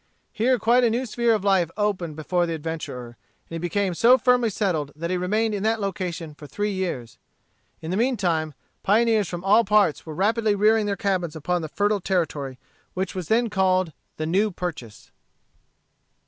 Here quite a new sphere of life opened before the adventurer, and he became so firmly settled that he remained in that location for three years. In the mean time, pioneers from all parts were rapidly rearing their cabins upon the fertile territory, which was then called The New Purchase.